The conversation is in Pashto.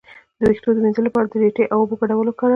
د ویښتو د مینځلو لپاره د ریټې او اوبو ګډول وکاروئ